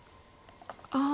ああ。